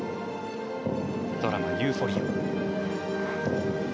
ドラマ「ユーフォリア」。